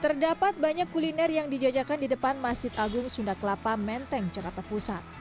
terdapat banyak kuliner yang dijajakan di depan masjid agung sunda kelapa menteng jakarta pusat